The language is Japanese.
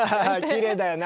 きれいだよね